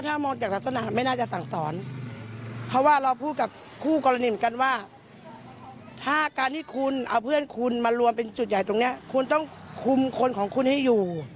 ถ้ามองจากลักษณะไม่น่าจะสั่งสอนเพราะว่าเราพูดกับคู่กรณีเหมือนกันว่าถ้าการที่คุณเอาเพื่อนคุณมารวมเป็นจุดใหญ่ตรงนี้คุณต้องคุมคนของคุณให้อยู่